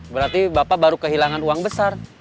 berarti bapak baru kehilangan uang besar